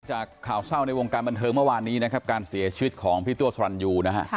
จากข่าวเศร้าในวงการบันเทิงเมื่อวานนี้นะครับการเสียชีวิตของพี่ตัวสรรยูนะฮะ